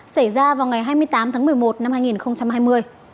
xảy ra vào ngày hai mươi tám tháng một mươi một năm hai nghìn hai mươi